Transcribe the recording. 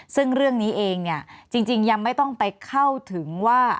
ซึ่งเรื่องนี้เองเนี่ยจริงยังไม่ต้องไปเข้าถึงว่า